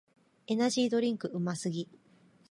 エナジードリンクうますぎ